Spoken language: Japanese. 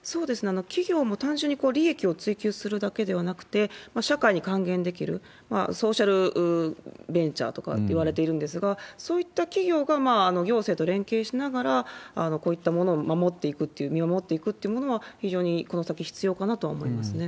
企業も単純に利益を追求するだけではなくて、社会に還元できる、ソーシャルベンチャーとかっていわれてるんですが、そういった企業が行政と連携しながら、こういったものを守っていくっていう、見守っていくっていうものは、非常にこの先必要かなとは思いますね。